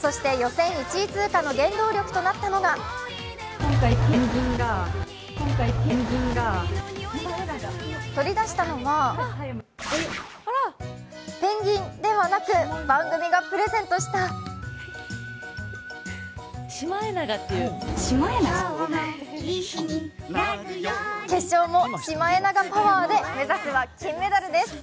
そして、予選１位通過の原動力となったのが取り出したのはペンギンではなく番組がプレゼントした決勝もシマエナガパワーで目指すは金メダルです。